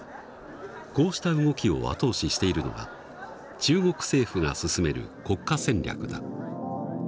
こうした動きを後押ししているのが中国政府が進める国家戦略だ。